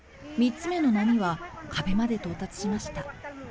３つ目の波は壁まで到達しました。